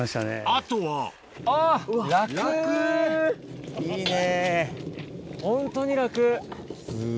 あとはいいね。